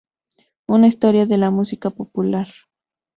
Una historia de la música popular.